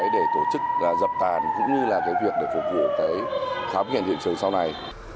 để tổ chức dập tàn cũng như là cái việc để phục vụ cái khóa nghiệp hiện trường sau này